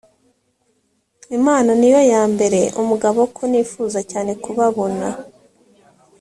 imana ni yo yambera umugabo ko nifuza cyane kubabona